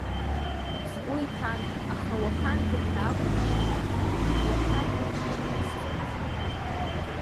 Сгәы иҭан, аха уаханӡа ҳәа акәын сшыҟаз, уаха ҭынч сҽанысҵарц…